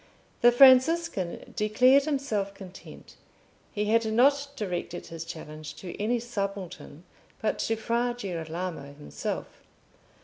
The Franciscan declared himself content: he had not directed his challenge to any subaltern, but to Fra Girolamo himself.